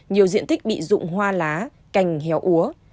nhiều diện tích bị dụng hoa lá cành héo úa